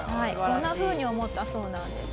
こんなふうに思ったそうなんですね。